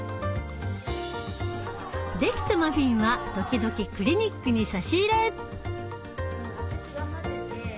出来たマフィンは時々クリニックに差し入れ！